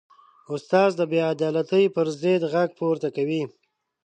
استاد د بېعدالتۍ پر ضد غږ پورته کوي.